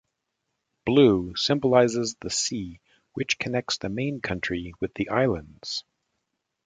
Blue symbolizes the sea, which connects the main country with the islands.